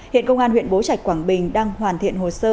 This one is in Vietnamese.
hiện công an huyện bố trạch quảng bình đang hoàn thiện hồ sơ